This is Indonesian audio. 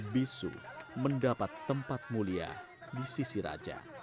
bisu mendapat tempat mulia di sisi raja